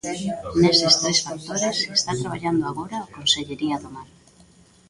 Neses tres factores está traballando agora a Consellería do Mar.